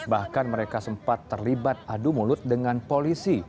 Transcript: bahkan mereka sempat terlibat adu mulut dengan polisi